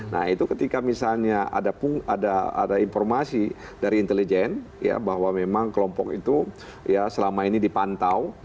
nah itu ketika misalnya ada informasi dari intelijen bahwa memang kelompok itu ya selama ini dipantau